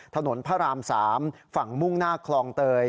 ถนนพระราม๓ฝั่งมุ่งหน้าคลองเตย